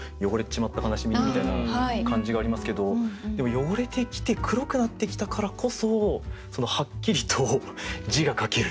みたいな感じがありますけどでも汚れてきて黒くなってきたからこそはっきりと字が書ける。